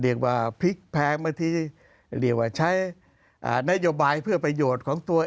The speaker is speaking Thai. เรียกว่าพลิกแพงบางทีเรียกว่าใช้นโยบายเพื่อประโยชน์ของตัวเอง